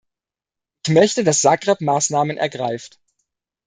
Ich möchte, dass Zagreb Maßnahmen ergreift.